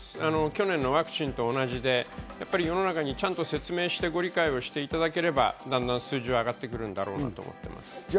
去年のワクチンと同じで、世の中にちゃんと説明して、ご理解をしていただければ、だんだん数字は上がってくるだろうなと思います。